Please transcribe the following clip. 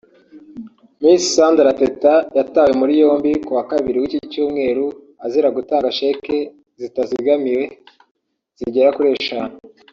Miss Sandra Teta yatawe muri yombi kuwa kabiri w’iki cyumweru azira gutanga sheki zitazigamiwe zigera kuri eshanu